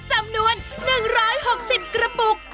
จำนวน๑๖๐กระปุก